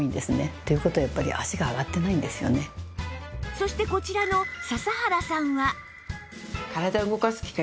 そしてこちらの笹原さんは